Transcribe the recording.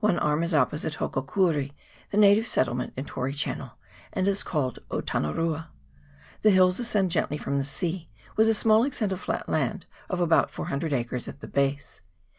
One arm is op posite Hokokuri, the native settlement in Tory Channel, and is called Otanarua. The hills ascend gently from the sea, with a small extent of flat land of about 400 acres at their base.